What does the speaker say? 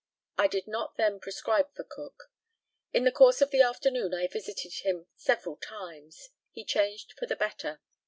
I did not then prescribe for Cook. In the course of the afternoon I visited him several times. He changed for the better.